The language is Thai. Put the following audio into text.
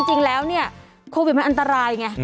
จริงแล้วเนี่ยโควิดมันอันตรายไง